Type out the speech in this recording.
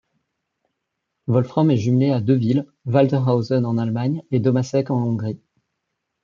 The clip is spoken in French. Wolfrom est jumelée à deux villes, Waltershausen en Allemagne et Domaszék en Hongrie.